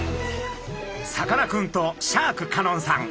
さかなクンとシャーク香音さん。